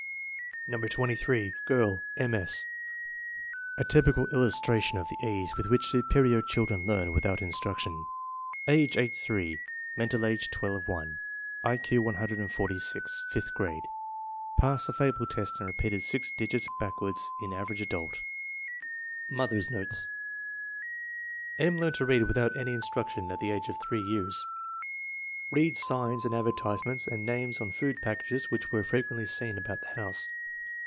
No. 23. Girl: M. S. A typical iUustration of the ease with which superior children learn without in struction. Age & 3; mental age 12 1; I Q 146; fifth grade. Passed the fable test and repeated six digits back wards in Average Adult. Mother's notes. M. learned to read without any in struction at the age of 3 years. Read signs and adver tisements and names on food packages which were frequently seen about the house.